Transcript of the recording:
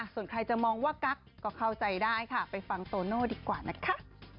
ส่วนใครจะมองว่ากั๊กก็เข้าใจได้ค่ะไปฟังโตโน่ดีกว่านะคะ